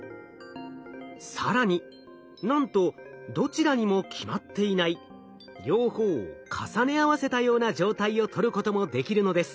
更になんとどちらにも決まっていない両方を重ね合わせたような状態をとることもできるのです。